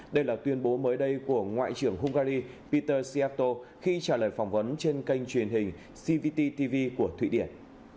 đây là tuyên bố mới đây của ngoại trưởng hungary peter seatto khi trả lời phỏng vấn trên kênh truyền hình cvt tv của thụy điển